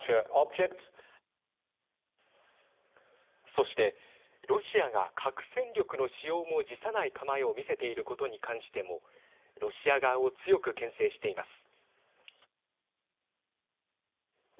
そして、ロシアが核戦力の使用も辞さない構えを見せていることに関してもロシア側を強くけん制しています。